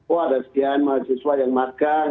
oh ada sekian mahasiswa yang makan